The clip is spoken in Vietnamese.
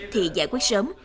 thì giải quyết sớm